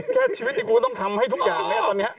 แค่ชีวิตที่กูต้องทำให้ทุกอย่างนะตอนนี้